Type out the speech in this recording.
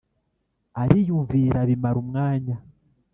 Ariyumvira bimara umwanya